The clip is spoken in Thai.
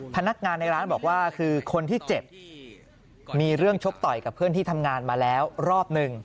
พนักงานในร้านบอกว่าคือคนที่เจ็บมีเรื่องชกต่อยกับเพื่อนที่ทำงานมาแล้วรอบหนึ่ง